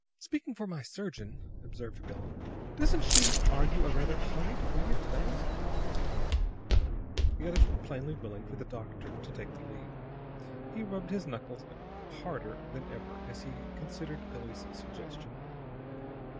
"Speaking for my surgeon," observed Billie, "doesn't she argue a rather high degree of development?" The others were plainly willing for the doctor to take the lead. He rubbed his knuckles harder than ever as he considered Billie's suggestion.